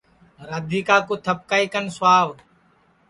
رادھیکا کُو تھپکائی کن سُاو